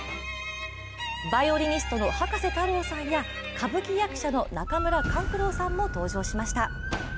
バイオリニストの葉加瀬太郎さんや歌舞伎役者の中村勘九郎さんも登場しました。